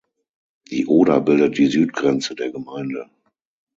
Die Oder bildet die Südgrenze der Gemeinde.